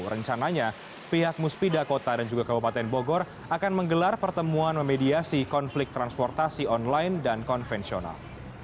rencananya pihak muspida kota dan juga kabupaten bogor akan menggelar pertemuan memediasi konflik transportasi online dan konvensional